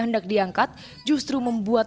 hendak diangkat justru membuat